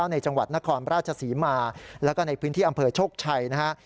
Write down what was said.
ในจังหวัดนครราชศรีมาแล้วก็ในพื้นที่อำเภอโชคชัยนะฮะ